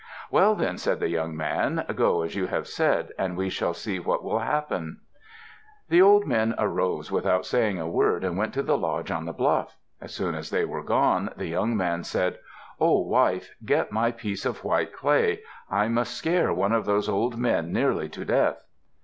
"Well, then," said the young man. "Go as you have said and we shall see what will happen." The old men arose without saying a word and went to the lodge on the bluff. As soon as they were gone, the young man said, "Oh, wife, get my piece of white clay. I must scare one of those old men nearly to death."